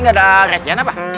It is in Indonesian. nggak ada rajin apa